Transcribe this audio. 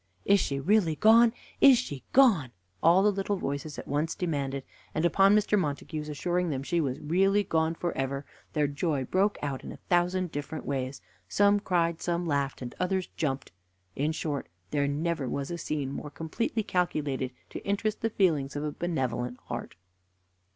"Is she really gone? Is she gone?" all the little voices at once demanded, and upon Mr. Montague's assuring them she was really gone for ever, their joy broke out in a thousand different ways some cried, some laughed, and others jumped. In short, there never was a scene more completely calculated to interest the feelings of a benevolent heart.